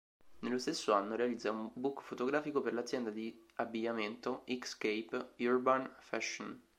Nello stesso anno realizza un book fotografico per l'azienda di abbigliamento X-Cape Urban Fashion.